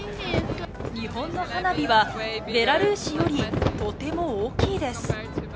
日本の花火は、ベラルーシよりとても大きいです。